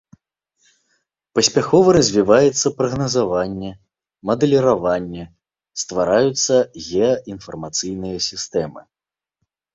Паспяхова развіваецца прагназаванне, мадэліраванне, ствараюцца геаінфармацыйныя сістэмы.